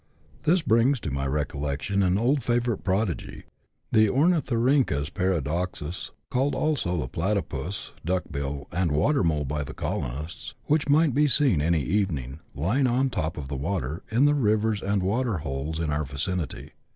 This brings to my recollection our old favourite prodigy, the ornithorhynchus paradoxus, called also the platypus, duckbill, and watermole by the colonists, which might be seen, any evening, lying on the top of the water in the rivers and water holes in our vicinity.